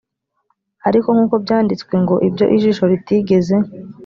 ariko nk uko byanditswe ngo ibyo ijisho ritigeze